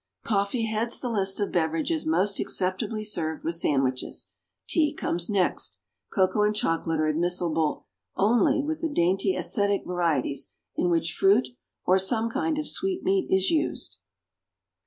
= Coffee heads the list of beverages most acceptably served with sandwiches. Tea comes next. Cocoa and chocolate are admissible only with the dainty, æsthetic varieties, in which fruit or some kind of sweetmeat is used.